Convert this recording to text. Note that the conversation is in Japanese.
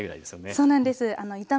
そうなんです。